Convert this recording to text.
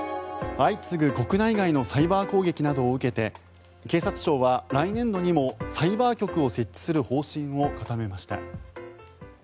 相次ぐ国内外のサイバー攻撃などを受けて警察庁は来年度にもサイバー局を設置する方針を固めました。